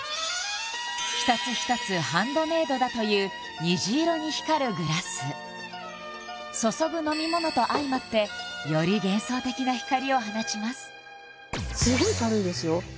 一つ一つハンドメイドだという虹色に光るグラス注ぐ飲み物と相まってより幻想的な光を放ちますすごい軽いですよ